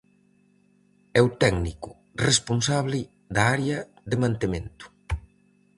É o técnico responsable da área de mantemento.